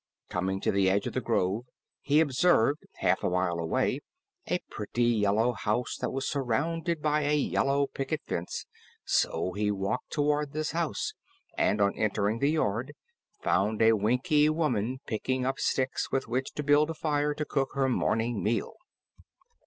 Coming to the edge of the grove, he observed half a mile away a pretty yellow house that was surrounded by a yellow picket fence, so he walked toward this house and on entering the yard found a Winkie woman picking up sticks with which to build a fire to cook her morning meal.